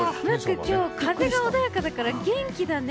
今日は風が穏やかだから元気だね。